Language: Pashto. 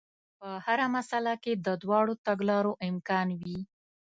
په هره مسئله کې د دواړو تګلارو امکان وي.